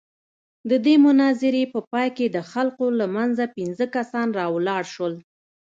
د دې مناظرې په پاى کښې د خلقو له منځه پينځه کسان راولاړ سول.